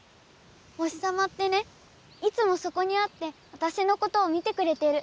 お日さまってねいつもそこにあってわたしのことを見てくれてる。